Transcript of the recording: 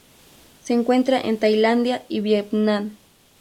Se encuentra en Tailandia y Vietnam.